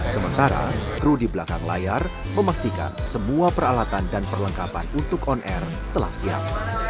sementara kru di belakang layar memastikan semua peralatan dan perlengkapan untuk on air telah siap